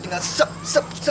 tinggal tsuk tsuk tu untsuk